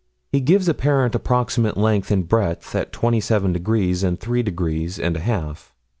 He gives apparent approximate length and breadth at twenty seven degrees and three degrees and a half.